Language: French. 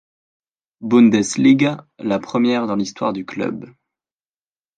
Bundesliga, la première dans l'histoire du club.